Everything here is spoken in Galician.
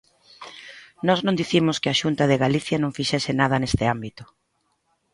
Nós non dicimos que a Xunta de Galicia non fixese nada neste ámbito.